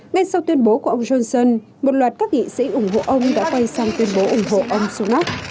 ngay sau tuyên bố của ông johnson một loạt các nghị sĩ ủng hộ ông đã quay sang tuyên bố ủng hộ ông sunak